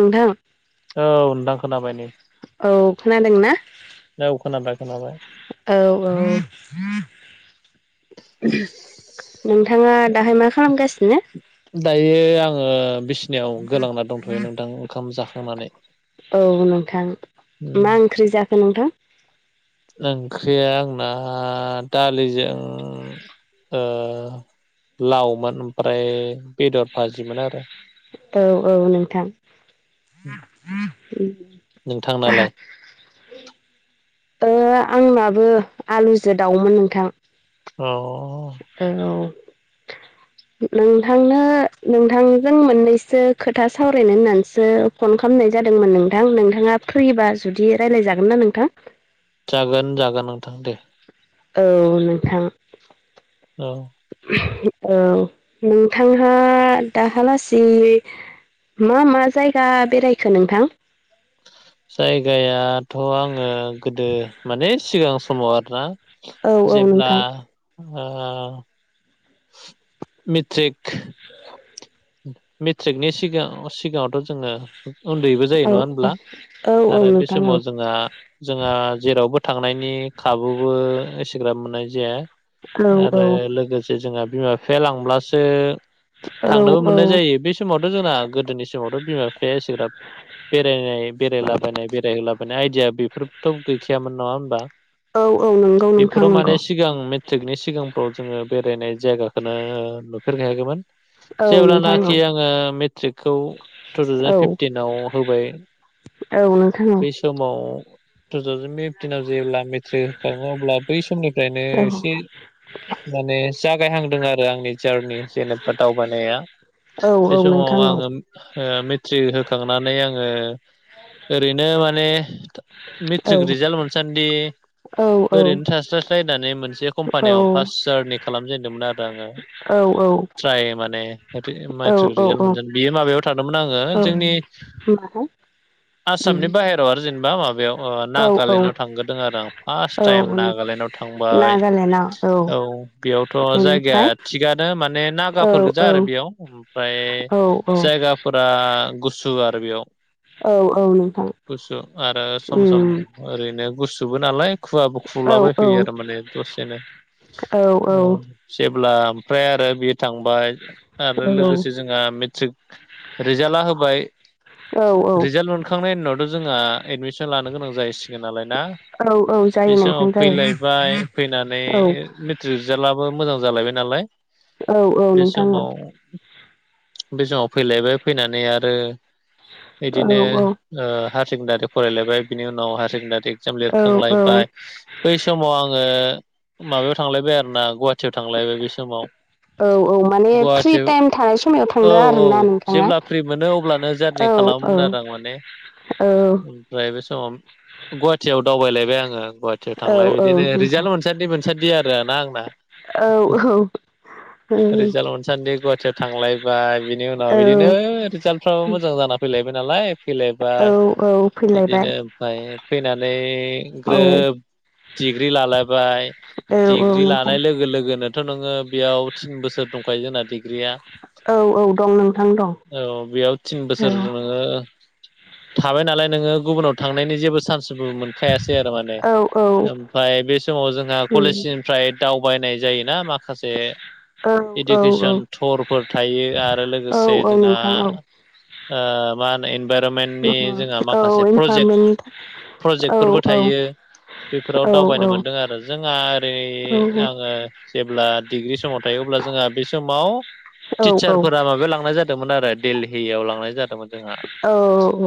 नोंथां? औ नोंथां खोनाबाय औ खोनादोंना? औ खोनाबाय खोनाबाय औ औ नोंथाङा दायो मा खालामगासिनो? दायो आंङो बिसिनियाव गोलांना दंथ'यो नोंथां ओंखाम जाखांनानै। औ नोंथां उम मा ओंख्रि जाखो नोंथां? ओंख्रिया आंना दालिजों ओ लावमोन ओमफ्राय बेदर भाजिमोन आरो। औ औ नोंथां। नोंथांनालाय? ओ आंनाबो आलुजो दाउमोन नोंथां। अ औ। नोंथांनो नोंथांजों मोननैसो खोथा सावरायनो होननानैसो। फन खालामनाय जादोंमोन नोंथां। नोंथाङा फ्रिबा जुदि रायज्लायजागोन ना नोंथां? जागोन जागोन नोंथां दे। औ नोंथां। औ। औ नोंथांहा दाहालासि मा मा जायगा बेरायखो नोंथां? जायगायाथ' आङो गोदो माने सिगां समाव आरो ना। औ औ जेब्ला नोंथां ओ मिट्रिक [inaudible] मेट्रिकनि सिगां सिगाङावथ' जोङो। उन्दैबो जायो नङा औ होनब्ला औ औ आरो बे नोंथां औ समाव जोंहा जोंहा जेरावबो थांनायनि खाबुबो एसेग्राब मोननाय जाया औ आरो लोगोसे जोंहा बिमा बिफाया लांब्लासो दाबो औ मोननाय जायो बे समावथ' जोंना गोदोनि समावथ' बिमा बिफाया एसेग्राब बेरायनाय बेरायलाबायनाय बेरायहोलाबायनाय आइदिया बेफोरथ' गैखायामोन नङा होमबा। औ औ नंगौ नोंथां बेफोराव माने नंगौ सिगां मेट्रिकनि सिगां औ जोङो बेरायनाय जायगाखौनो नुफेरखायाखैमोन। औ नोंथां जेब्लानाखि औ आङो मेट्रिकखौ टु थावजेन फिफटिनाव होबाय। औ नोंथां। औ बै समाव थुवजेन मिफटिनव जेब्ला। थ्रि अब्ला बै समनिफ्रायनो औ एसे माने जागायहांदों आरो आंनि चार नि जेनेबा दावबायानाया औ बे औ नोंथां समाव औ आङो। ओ मेट्रिक होखांनानै आङो ओरैनो माने औ मेट्रिक औ रिजाल्ट मोनसान्दि ओरैनो थास्लायस्लायनानै मोनसे कम्पानियाव फार्स्ट जारनि खालामजेनदोंमोन आरो आङो। औ औ। ट्राइ माने मेट्रिक रि मायमेट्रिक रिजाल्ट औ औ मोनोन बियो माबायाव थादोंमोन आङो जोंनि [unintelligible] आसामनि बाहेरायाव आरो जेनेबा माबायाव अ औ औ नागालेण्डआव थांग्रोदों आरो आं फार्स्ट टाइम औ नागालेण्डआव थांबाय औ बेयावथ' बेनिफ्राय जायगाया थिगानो माने औ नागाफोर गोजा औ आरो। बेयाव ओमफ्राय औ जायगा फुरा गुसु आरो बेयाव औ औ नोंथां। गुसु आरो सम औ सम ओरैनो गुसुबो नालाय खुवबो औ औ खुलाबायफैयो आरो माने दसेनो जेब्ला ओमफ्राय आरो बियो थांबाय। आरो लोगोसे जोंहा मेट्रिक रिजाल्टआ होबाय। औ-औ रिजाल्ट मोनखांनायनिनावथ' जोंहा एडमिसन लानो गोनां जाहैसिगोन नालाय ना औ औ जायो बे समाव नोंथां जायो फैलायबाय फैनानै औ रिजाल्टआबो मोजां जालायबाय नालाय औ-औ बे नोंथां औ। समाव बे समाव फैलायबाय। फैनानै आरो औ बिदिनो औ ओ हायार सेकेण्डारि फरायलायबाय बिनि उनाव हायार सेकेण्डारि जोम औ औ लिरखांलायबाय। बै समाव आङो माबायाव थांलायबाय आरोना गुवाहाटियाव थांलायबाय बै समाव। औ औ माने फ्रि गुवाहाटि टाइम थानाय समायाव थांदो औ-औ आरोना नोंथाङा जेब्ला फ्रि मोनो अब्लानो औ जारनि औ खालामोमोन आरो आं माने औ ओमफ्राय बे समाव गुवाहाटियाव दावबायलायबाय आङो गुवाहाटियाव औ थांलाय औ बिदिनो नोंथां रिजाल्ट मोनसान्दि मोनसान्दि आरो ना आंना। औ औ [inaudible] रिजाल्ट मोनसान्दि गुवाहाटियाव थांलायबाय बिनि उनाव औ बिदिनो रिजाल्टफ्राबो मोजां जाना फैलायबाय नालाय औ फैलायबाय औ फैलायबाय बिदिनो ओमफाय फैनानै औ ग्रोब डिग्रि लायबाय औ औ डिग्रि नोंथां लानाय लोगो लोगोनो थ' नोङो बेयाव थिन बोसोर दंखायो जोंना डिग्रिया। औ-औ दं नोंथां दं औ। ओ थाबाय नालाय नोङो गुबुनाव थांनायनि जेबो चान्स मोनखायासै आरो माने औ औ ओमफ्राय बे समाव जोंहा कलेजनिफ्राय दावबायनाय जायोना माखासे औ औ इडुकेसन थरफोर थायो आरो औ लोगोसे औ जोंहा नोंथां औ ओ मा होनो इनभाइरनमेन्टनि जोंहा औ माखासे प्रजेक्ट इनभारमेन्ट औ प्रजेक्टफोरबो औ थायो। बेफोराव औ दावबायनो मोनदों आरो। जोंहा ओरै औ आङो जेब्ला डिग्रि समाव थायो अब्ला जोंहा बे समाव औ टिचारफोरा माबायाव लांनाय जादोंमोन आरो दिल्लीयाव। लांनाय जादोंमोन जोंहा।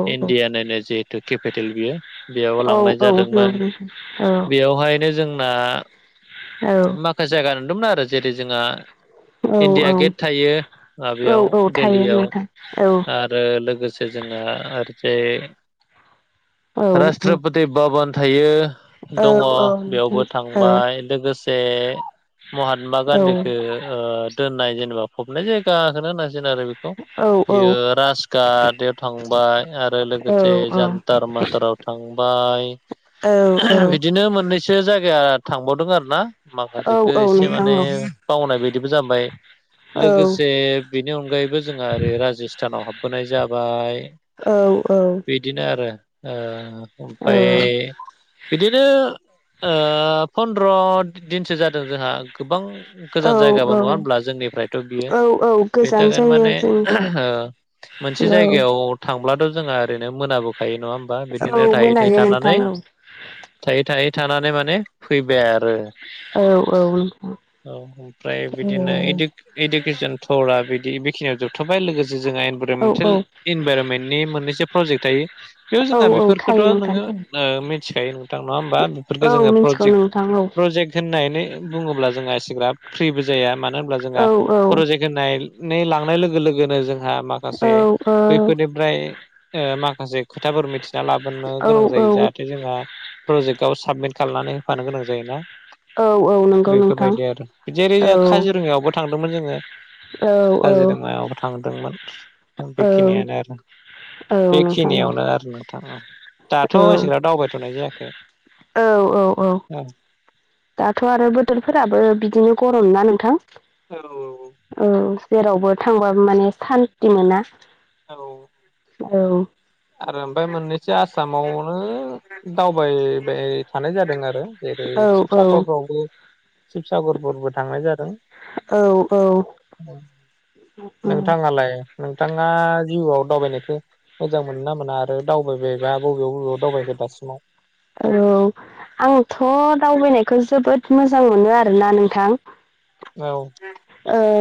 औ औ इण्डियानिनो जिहेतु केपिटेल बियो बेयाव औ लांनाय जादों [unintelligible] बेवहायनो जोंना औ माखासे जायगा नुदोंमोन आरो। जेरै जोंहा औ इण्डिया गेट औ थायो ओ औ बेयाव औ थायो दिल्लीयाव। नोंथां औ। आरो लोगोसे जोंहा ओरजाय औ औ रास्ट्रपति भबन थायो। औ दङ औ नोंथां बेयावबो औ थांबाय। लोगोसे महात्मा औ गान्धीखौ दोननाय जेनेबा फबनाय जायगााखो होनांसिगोन आरो बेखौ औ औ बेयो हासकाद आदयाव थांबाय आरो औ लोगोसे औ नोंथां औ जान्थार मान्थाराव थांबाय। औ-औ! बिदिनो मोननैसो जायगा थांबावदों आरो ना। माखासेखो एसे माने बावनाय बायदिबो जाबाय। लोगोसे बेनि अनगायैबो जोंहा ओरै राजस्थानाव हाबबोनाय जाबाय। औ-औ! बिदिनो आरो ओ ओमफाय बिदिनो ओ फनद्र दिनसो जादों। जोंहा गोबां औ गोजान जायगाबो। नङा होनोमब्ला जोंनिफ्रायथ' बियो? औ औ बेनि गोजान थाखायनो जायो माने जों मोनसे औ जायगायाव थांब्लाथ' जोंहा ओरैनो मोनाबोखायो नङा होम बा औ बिदिनो थायै थायै मोनायो थानानै नोंथां औ थायै थायै थानानै माने फैबाय आरो औ औ औ ओमफ्राय बिदिनो औ इदि इडुकेसन थरा बिदि बेखिनियाव जोबथ'बाय लोगोसे जोंहा इनभायर'मेन्टेल औ इनभायर'मेन्ट नि मोननैसो प्रजेक्ट थायो बेयाव औ जोंहा औ थायो बेफोरखौथ' नोंथां नोङो थायो मिथिखायो [unintelligible] नङा होमबा बेफोरखौ औ जोङो मिथिगौ प्रजेक्ट नोंथां औ प्रजेक्ट होननानै बुङोब्ला जोंहा एसेग्रा फ्रिबो जाया मानो होनब्ला जोंहा औ औ प्रजेक्ट होननानै लांनाय लोगो लोगोनो जोंहा माखासे औ औ बैफोरनि फ्राय माखासे खोथाफोर मिथिना लागोरनो औ गोनां जायो औ जाहाथे जोंहा प्रजेक्टआव साबमिट खालनानै होफानो गोनां जायोना औ औ नंगौ नोंथां बेफोरबायदि आरो बिदि औ काजिरङायावबो थांदोंमोन जोङो औ। औ काजिरङायावबो थांदोंमोन औ बेखिनियानो आरो औ नोंथां औ बेखिनियावनो आरो नोंथां औ दाथ' इसिग्राब औ दावबायथ'नाय जायाखै औ औ औ दाथ' आरो बोथोरफोराबो बिदिनो गरम ना नोंथां? औ औ औ जेरावबो थांबाबो माने सान्थि मोना औ औ। आरो ओमफ्राय मोननैसो आसामावनो दावबायबाय थानाय जादों आरो। जेरै औ औ शिबसागरफ्रावबो शिबसागरफोरबो थांनाय जादों औ औ [inaudible] नोंथाङालाय नोंथां? आ जिउआव दावबायनायखो मोजां मोनो ना मोना आरो दावबायबा बबेयाव बबेयाव दावबायखो दासिमाव? औ आंथ' दावबायनायखौ जोबोद मोजां मोनो आरोना नोंथां औ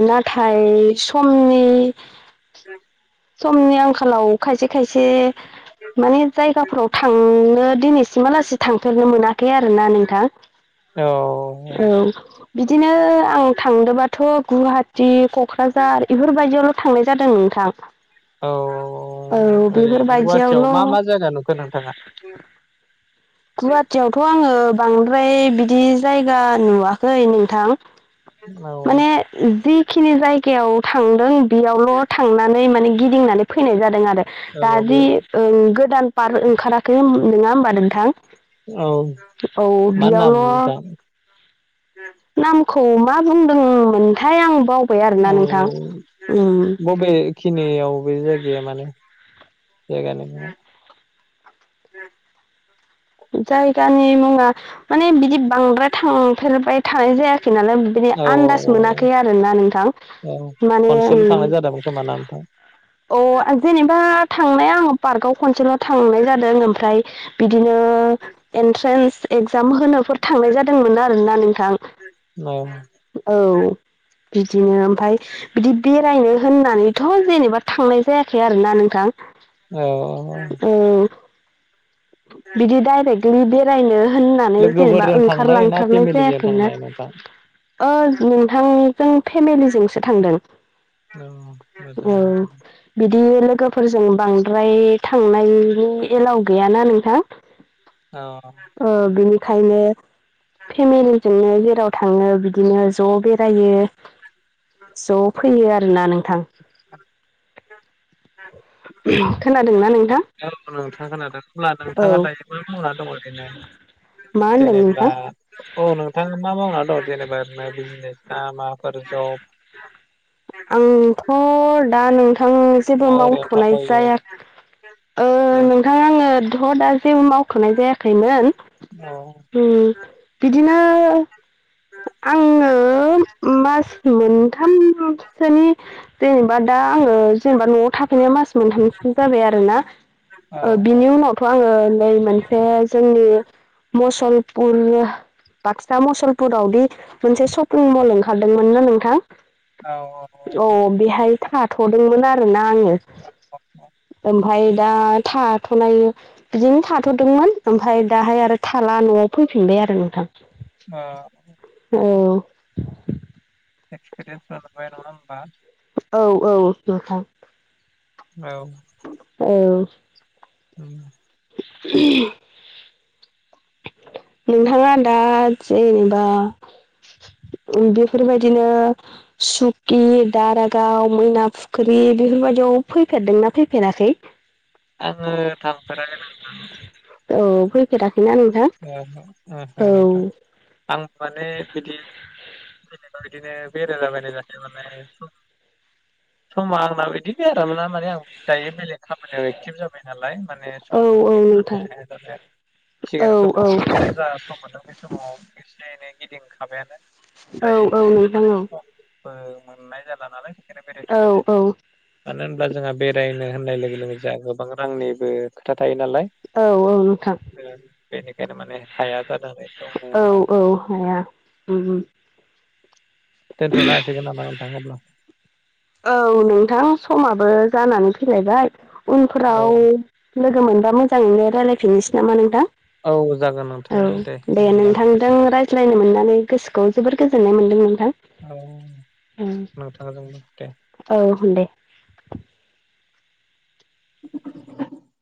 नाथाय समनि [inaudible] समनि आंखालाव खायसे खायसे माने जायगाफोराव थांनो दिनैसिमालासि थांफेरनो मोना खै आरोना नोंथां। औ औ बिदिनो आं थांदोबाथ' गुवाहाटि क'क्राझार बेफोरबायदियावल' थांनाय जादों नोंथां। औ ओ औ ओरैनो बेफोरबायदियावल' गुवाहाटियाव मा मा जायगा नुखो नोंथाङा? गुवाहाटियावथ' आङो बांद्राय बिदि जायगा नुवाखै नोंथां औ माने जिखिनि जायगायाव थांदों बेयावल' थांनानै माने गिदिंनानै फैनाय जादों आरो दा औ बे दि ओं गोदान पार्क ओंखाराखै नोङा होमबा नोंथां औ औ मा नाम? बेयावल' [unintelligible] नामखौ मा बुंदोंमोनथाय आं बावबाय आरोना नोंथां ओम खिनियाव बे जायगाया माने जायगानि? जायगानि मुङा माने बिदि बांद्राय थांफेरबाय थानाय जायाखै नालाय बिदि औ आन्दाज औ मोनाखै आरोना नोंथां। औ माने खनसेल' उम थांनाय [inaudible] अ जेनेबा थांनाया आङो पार्कआव खनसेल' थांनाय जादों ओमफ्राय बिदिनो एन्ट्रेन्स एक्जाम होनो फोर थांनाय जादोंमोन आरोना नोंथां औ औ बिदिनो ओमफाय बिदि बेरायनो होननानैथ' जेनेबा थांनाय जायाखै आरोना नोंथां। औ औ औ बिदि दाइरेक बेदिनो बेरायनो होननानै जेनेबा लोगोफोरजों थांनाय ना ओंखारलांथारनाय फेमिलिजों जायाखैनो थांनाय नोंथां अ नोंथां जों फेमिलिजोंसो थांदों औ मोजां औ मोजां बिदि लोगोफोरजों बांद्राय थांनायनि एलाव गैयाना नोंथां औ ओ बिनिखायनो फेमेलि जोंनो जेराव थाङो बिदिनो ज' बेरायो। ज' फैयो आरोना नोंथां। खोनादोंना नोंथां [unintelligible] नोंथाङा औ दायो मा मावना दं ओरैनो मा होनदों जेनेब्ला नोंथां औ नोंथाङा मा मावना दं जेनेबा म बिजनेस ना माफोर जब? आंथ' दा नों थां जेबो ना ओरैनो मावथ'नाय थाथ'यो जाया ओ नों थां आङो थ' दा जेबो मावथ'नाय जायाखैमोन। अ उम बिदिनो आङो मास मोनथाम सोनि जेनेबा दा आङो जेनेबा न'आव थाफैनाया मास मोनथामसिन जाबाय आरो ना। औ ओ बिनि उनाव थ' आङो नै मोनसे जोंनि मुसलपुर बाक्सा मसलपुरावदि मोनसे शपिं मल ओंखारदोंमोन ना नोंथां औ औ। अ बेहाय थाथ'दोंमोन आ रोना आङो। ओमफाय दा थाथ'नाय बिदिनो थाथ'दोंमोन। ओमफाय दाहाय आरो थाला न'आव फैफिनबाय आरो नोंथां। ओ। औ। एक्पिरियन्स बानोबाय नङा होनबा? औ औ नोंथां। औ। औ। उम। उ नोंथाङा दा जेनेबा बेफोरबायदिनो सुकि, दारागाव, मैना फुख्रि बेफोरबायदियाव फैफेरदोंना फैफेराखै? आङो थांफेराखै नों औ, फैफेराखैना नोंथां? ओहो ओहो नोंथां औ। आं माने बिदि जेनेबा इदिनो बेरायलाबायनाय जाथिंहरनाय सम समा आंना बिदि आरोना माने आं दायो बेलेग खामानियाव एक टिब जाबाय नालाय माने सम औ औ दिहुननो हाया नोंथां हाया जाबाय आरो। औ सिगां औ समावथ' जा सम मोनदों बे समाव एसे एनै गिदिंखाबायानो। औ औ नोंथां औ। बो मोननाय जाला नालाय बेखायनो बेरायथ'नाय औ औ जायाखै। मानो होनब्ला जोंहा बेरायनो होननाय लोगो लोगो जाहा गोबां रांनिबो खोथा थायो नालाय। औ औ नोंथां। उम बेनिखायनो माने हाया जानानै औ दङ आरो औ हाया उम। दोनथ'नो हासिगोन नामा नोंथां अब्ला? औ नोंथां समाबो जानानै फैलायबाय औ उनफ्राव लोगो मोनबा मोजाङैनो रायलायफिननोसै नामा नोंथां? औ जागोन नोंथां औ दे होमब्ला नोंथां दों रायज्लायनो मोननानै गोसोखौ जोबोर गोजोननाय मोनदों नोंथां। औ नोंथांजोंबो दे। औ होनदे। [inaudible]